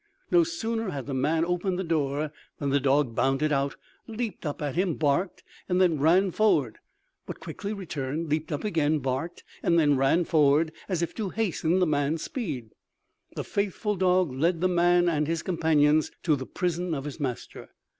No sooner had the man opened the door than the dog bounded out, leaped up at him, barked, and then ran forward, but quickly returned, leaped up again, barked, and then ran forward, as if to hasten the man's speed. The faithful dog led the man and his companions to the prison of his master.